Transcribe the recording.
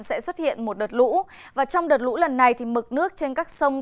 sẽ xuất hiện một đợt lũ và trong đợt lũ lần này thì mực nước trên các sông